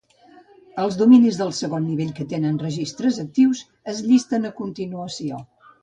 Els dominis de segon nivell que tenen registres actius es llisten a continuació.